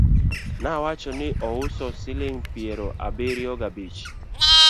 nowacho ni ouso siling piero abirio ga bich